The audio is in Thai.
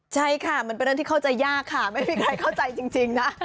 ใช่ค่ะมันเป็นเรื่องที่เข้าใจยากค่ะไม่มีใครเข้าใจจริงนะ